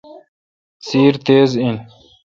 سیر تیز این۔